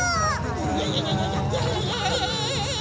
やややややややややや。